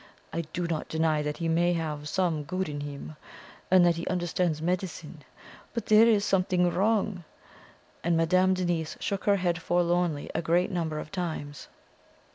I do not deny that he may have some good in him, and that he understands medicine; but there is something wrong " And Madame Denise shook her head forlornly a great number of times.